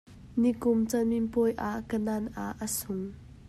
Nikum camipuai ah kanan ah a sung.